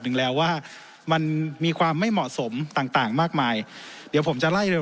หนึ่งแล้วว่ามันมีความไม่เหมาะสมต่างต่างมากมายเดี๋ยวผมจะไล่เร็